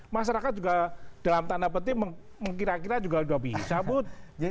masyarakat juga dalam tanda peti mengkira kira juga sudah bisa bud